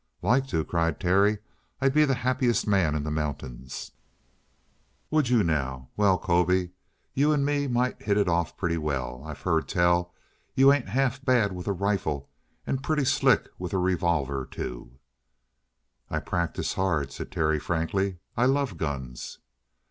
"Like to?" cried Terry. "I'd be the happiest man in the mountains!" "Would you, now? Well, Colby, you and me might hit it off pretty well. I've heard tell you ain't half bad with a rifle and pretty slick with a revolver, too." "I practice hard," said Terry frankly. "I love guns."